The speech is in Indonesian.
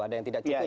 ada yang tidak cukup